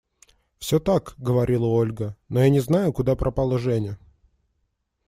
– Все так, – говорила Ольга. – Но я не знаю, куда пропала Женя.